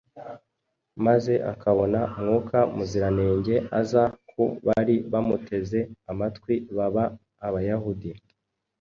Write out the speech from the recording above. maze akabona Mwuka Muziranenge aza ku bari bamuteze amatwi baba Abayahudi